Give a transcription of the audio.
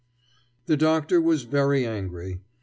The Doctor was very angry.